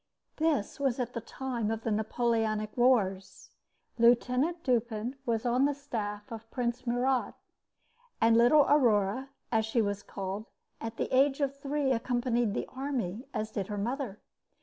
This was at the time of the Napoleonic wars. Lieutenant Dupin was on the staff of Prince Murat, and little Aurore, as she was called, at the age of three accompanied the army, as did her mother.